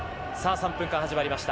３分間始まりました。